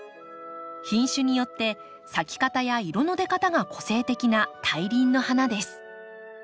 品種によって咲き方や色の出方が個性的な大輪の花です。